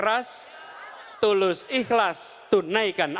secara alemankan untuk anticipasi seratus